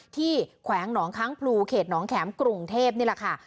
แขวงหนองค้างพลูเขตหนองแข็มกรุงเทพนี่แหละค่ะ